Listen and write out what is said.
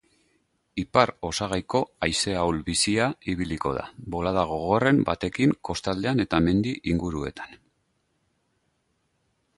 Ipar-osagaiko haize ahul-bizia ibiliko da, bolada gogorren batekin kostaldean eta mendi inguruetan.